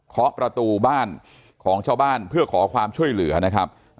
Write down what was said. ขอประตูบ้านของชาวบ้านเพื่อขอความช่วยเหลือนะครับ